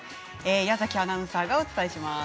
矢崎アナウンサーがお伝えします。